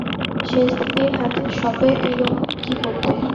সেজদিদির হাতে সঁপে দিলুম কী করতে?